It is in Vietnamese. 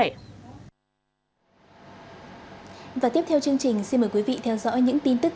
vì vậy người tiêu dùng nên lựa chọn các loại bánh có nguồn gốc xuất xứ rõ ràng để đảm bảo sức khỏe